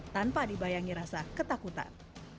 tanpa dibayangi rasa ketakutan